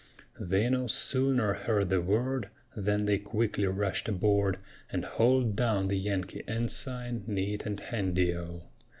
They no sooner heard the word Than they quickly rushed aboard And hauled down the Yankee ensign Neat and handy O!